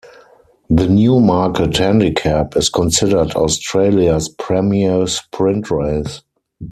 The Newmarket Handicap is considered Australia's premier sprint race.